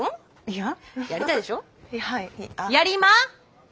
やりま？